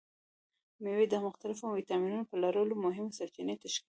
مېوې د مختلفو ویټامینونو په لرلو مهمې سرچینې تشکیلوي.